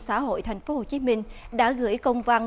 xã hội tp hcm đã gửi công văn